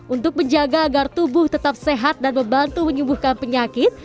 untuk menjaga agar tubuh tetap sehat dan membantu menyembuhkan penyakit